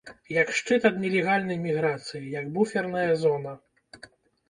Як шчыт ад нелегальнай міграцыі, як буферная зона.